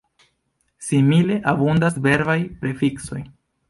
Simile, abundas verbaj prefiksoj.